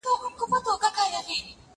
که وخت وي، د کتابتون د کار مرسته کوم؟